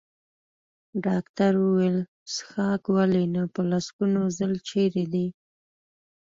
ډاکټر وویل: څښاک؟ ولې نه، په لسګونو ځل، چېرې دی؟